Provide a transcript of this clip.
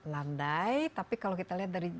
landai tapi kalau kita lihat dari